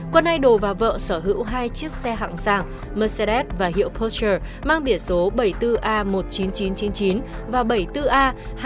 quân idol và vợ sở hữu hai chiếc xe hạng sàng mercedes và hiệu porsche mang biển số bảy mươi bốn a một mươi chín nghìn chín trăm chín mươi chín và bảy mươi bốn a hai mươi hai nghìn hai trăm hai mươi hai